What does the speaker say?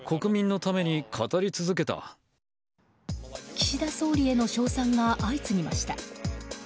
岸田総理への称賛が相次ぎました。